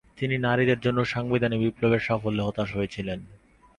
তিনি নারীদের জন্য সাংবিধানিক বিপ্লবের সাফল্যে হতাশ হয়েছিলেন।